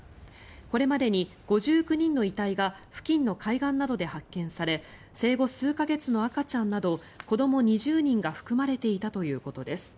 これまでに５９人の遺体が付近の海岸などで発見され生後数か月の赤ちゃんなど子ども２０人が含まれていたということです。